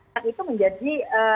dan itu menjadi